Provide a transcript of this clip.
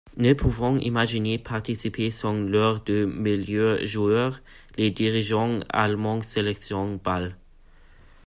Ne pouvant imaginer participer sans leurs deux meilleurs joueurs, les dirigeants allemands sélectionnent Ball.